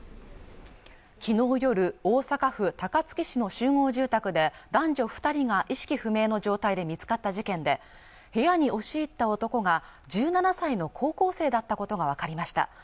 昨日夜大阪府高槻市の集合住宅で男女二人が意識不明の状態で見つかった事件で部屋に押し入った男が１７歳の高校生だったことが分かりました